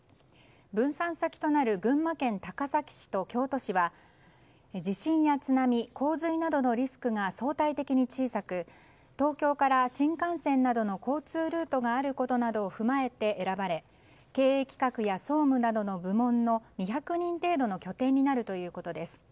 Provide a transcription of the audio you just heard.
分散先となる群馬県高崎市と京都市は地震や津波、洪水などのリスクが相対的に小さく東京から新幹線などの交通ルートがあることなどを踏まえて選ばれ経営企画や総務などの部門の２００人程度の拠点になるということです。